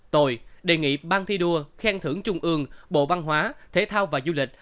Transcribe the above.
tôi đề nghị ban thi đua khen thưởng trung ương bộ văn hóa thể thao và du lịch